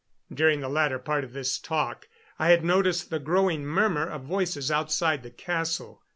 During the latter part of this talk I had noticed the growing murmur of voices outside the castle.